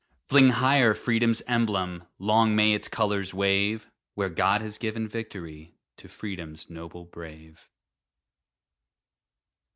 Fling higher Freedom's emblem! Long may its colors wave Where God has given victory To Freedom's noble brave.